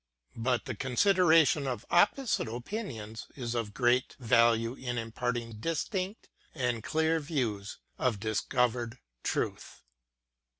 But the consideration of opposite opinions is of great value in imparting distinct and clear views of discovered truth.